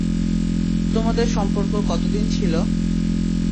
তোমাদের সম্পর্ক কতদিন ছিল?